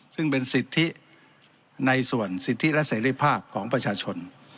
ซึ่งเป็นสิทธิในส่วนสิทธิและเสรีภาพของประชาชน